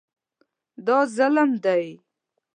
دا ظلم دی.